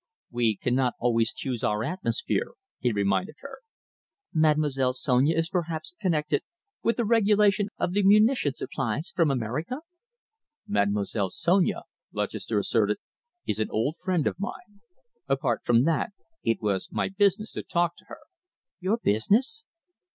"We cannot always choose our atmosphere," he reminded her. "Mademoiselle Sonia is perhaps connected with the regulation of the munition supplies from America?" "Mademoiselle Sonia," Lutchester asserted, "is an old friend of mine. Apart from that, it was my business to talk to her." "Your business?"